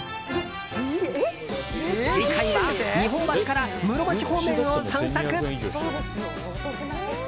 次回は、日本橋から室町方面を散策。